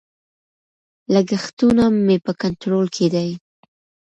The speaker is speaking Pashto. لګښتونه مې په کنټرول کې دي.